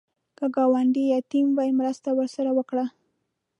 که ګاونډی یتیم وي، مرسته ورسره وکړه